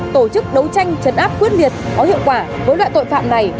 tổ chức đấu tranh chấn áp quyết liệt có hiệu quả với loại tội phạm này